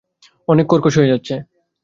অনেক কর্কশ হয়ে যাচ্ছে।